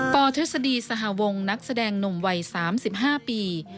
ปเทศดีสหวงนักแสดงนมวัย๓๕ปี